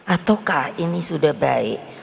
ataukah ini sudah baik